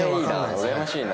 うらやましいな。